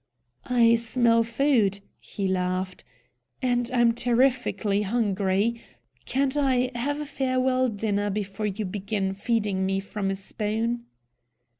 "I smell food," he laughed. "And I'm terrifically hungry. Can't I have a farewell dinner before you begin feeding me from a spoon?"